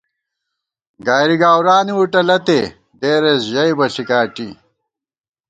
گائری گاؤرانی وُٹہ لَتے دېرېس ژئیبہ ݪِکاٹی